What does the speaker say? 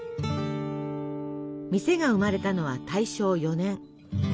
店が生まれたのは大正４年。